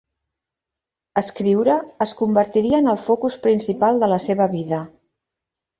Escriure es convertiria en el focus principal de la seva vida.